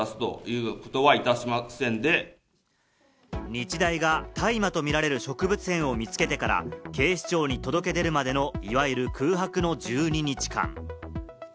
日大が大麻とみられる植物片を見つけてから警視庁に届け出るまでのいわゆる空白の１２日間。